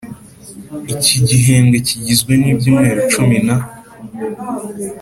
Iki gihembwe kigizwe n ibyumweru cumi na